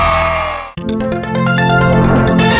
โรงเรียนดูรัก